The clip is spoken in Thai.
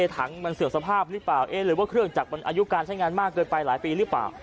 ถังมันเสื่อมสภาพหรือเปล่าเอ๊ะหรือว่าเครื่องจักรมันอายุการใช้งานมากเกินไปหลายปีหรือเปล่า